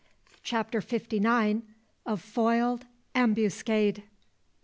CHAPTER FIFTY NINE. A FOILED AMBUSCADE.